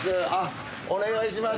お願いします